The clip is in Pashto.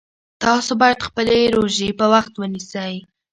تاسو باید خپلې روژې په وخت ونیسئ